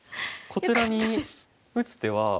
こちらに打つ手は。